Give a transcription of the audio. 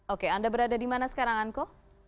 oke anda berada dimana sekarang anko